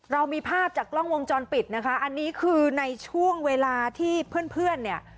เรามีภาพจากกล้องวงจรปิดนะคะอันนี้คือในช่วงเวลาที่เพื่อนเพื่อนเนี่ย